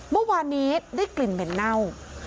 เมื่อวานนี้ได้กลิ่นเหม็นเน่า